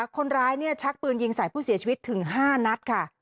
ชักปืนยิงใส่ผู้เสียชีวิตถึง๕นัดค่ะ